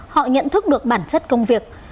họ nhận thức được bản chất công việc